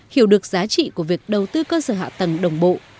hiểu được giá trị của việc đầu tư cơ sở hạ tầng đồng bộ